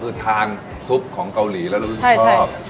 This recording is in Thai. คือทานซุปของเกาหลีแล้วรู้สึกชอบ